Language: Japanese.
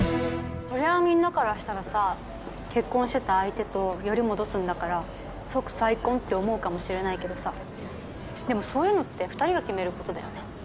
そりゃあみんなからしたらさ結婚してた相手とヨリ戻すんだから即再婚って思うかもしれないけどさでもそういうのって２人が決めることだよね